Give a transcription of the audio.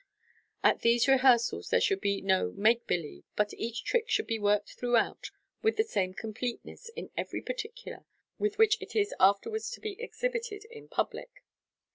At these rehearsals there should be no " make believe," but each trick should be worked throughout with the same completeness in every particular with which it is afterwards to be exhibited in public.